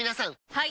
はい！